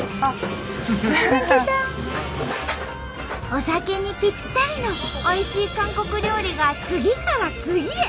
お酒にぴったりのおいしい韓国料理が次から次へ。